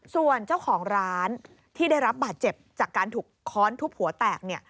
ส่วนเจ้าของร้านที่ได้รับบาดเจ็บจากการถูกค้อนทุบหัวแตกเนี่ย